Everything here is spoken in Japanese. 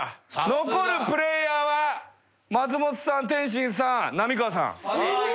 残るプレイヤーは松本さん天心さん浪川さん。